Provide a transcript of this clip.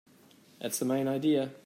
That's the main idea.